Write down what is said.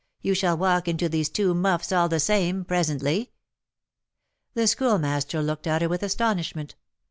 You shall walk into these two 'muffs' all the same, presently." The Schoolmaster looked at her with astonishment.